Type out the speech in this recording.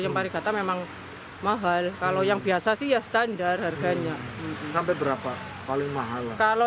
yang pariwisata memang mahal kalau yang biasa sih ya standar harganya sampai berapa paling mahal kalau